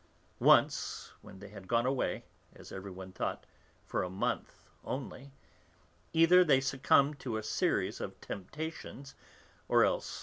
Once, when they had gone away, as everyone thought, for a month only, either they succumbed to a series of temptations, or else M.